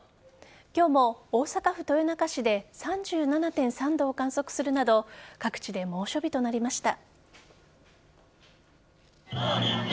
今日も、大阪府豊中市で３７．３度を観測するなど各地で猛暑日となりました。